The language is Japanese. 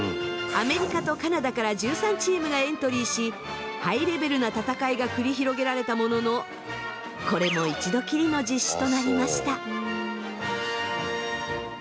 アメリカとカナダから１３チームがエントリーしハイレベルな戦いが繰り広げられたもののこれも１度きりの実施となりました。